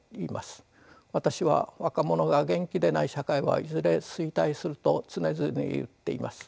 私は若者が元気でない社会はいずれ衰退すると常々言っています。